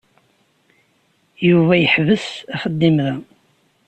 Yuba yeḥbes axeddim da.